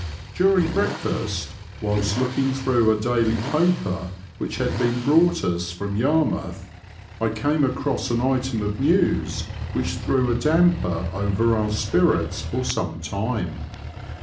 During breakfast, whilst looking through a daily paper which had been brought us from Yarmouth, I came across an item of news which threw a damper over our spirits for some time.